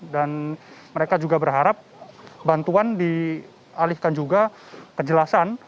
dan mereka juga berharap bantuan dialihkan juga kejelasan